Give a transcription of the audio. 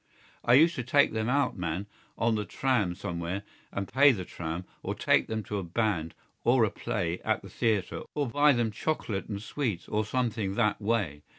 I used to take them out, man, on the tram somewhere and pay the tram or take them to a band or a play at the theatre or buy them chocolate and sweets or something that way.